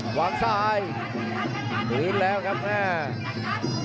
หวังทรายถูกทิ้งแล้วครับ